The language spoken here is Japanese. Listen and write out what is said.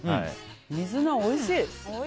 水菜おいしい！